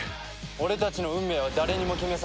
俺たちの運命は誰にも決めさせない。